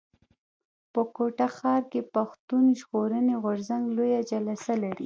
په کوټه ښار کښي پښتون ژغورني غورځنګ لويه جلسه لري.